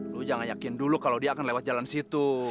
lu jangan yakin dulu kalau dia akan lewat jalan situ